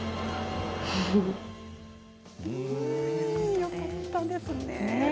よかったですね。